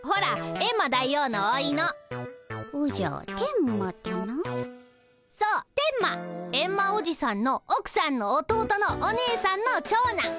エンマおじさんのおくさんの弟のお姉さんの長男。